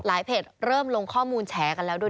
เพจเริ่มลงข้อมูลแฉกันแล้วด้วย